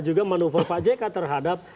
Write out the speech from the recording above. juga manuver pak jk terhadap